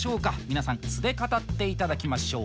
皆さん素で語って頂きましょう。